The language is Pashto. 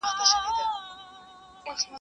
ړنده سترگه څه ويښه، څه بيده.